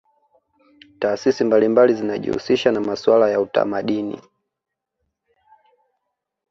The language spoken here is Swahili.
taasisi mbalimbali zinajihusisha na masuala ya utamadini